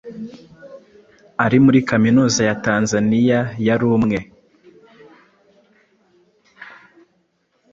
Ari muri Kaminuza yatanzzniya, yari umwe